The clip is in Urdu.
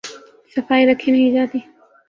صفائی رکھی نہیں جاتی۔